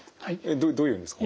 どういうのですか？